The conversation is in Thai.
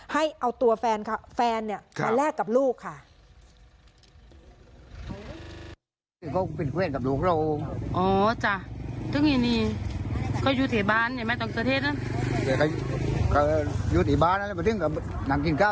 ให้เอาตัวแฟนมาแลกกับลูกค่ะ